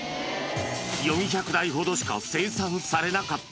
４００台ほどしか生産されなかった。